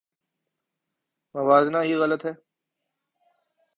موازنہ ہی غلط ہے۔